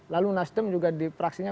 lalu nasdem juga diperaksinya